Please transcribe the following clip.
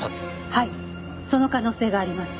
はいその可能性があります。